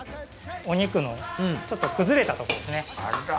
お肉のちょっと崩れたところですね。